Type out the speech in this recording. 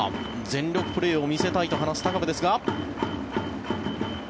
全力プレーを見せたいと話す高部ですが。